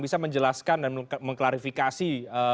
bisa menjelaskan dan mengklarifikasi